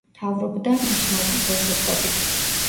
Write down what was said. მთავრობდა ოსმალთა ხელშეწყობით.